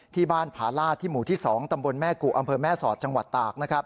ผาลาศที่หมู่ที่๒ตำบลแม่กุอำเภอแม่สอดจังหวัดตาก